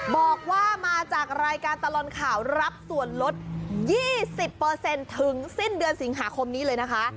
บอกว่ามาจากรายการตลอดข่าวรับส่วนลด๒๐ถึงสิ้นเดือนสิงหาคมนี้เลยนะคะ